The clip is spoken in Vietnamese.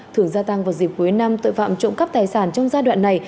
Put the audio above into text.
thường gia tăng vào dịp cuối năm tội phạm trộm cắp tài sản trong giai đoạn này